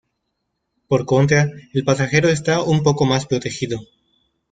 Por contra, el pasajero está un poco más protegido.